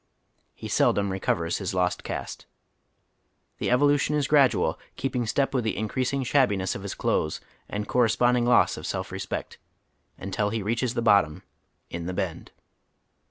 He seldom recovers his lost caste. The evolution is gradual, keeping step with the increasing shabbiness of his clothes and correspond ing loss of self respect, until he reaches the bottom in " the Bend."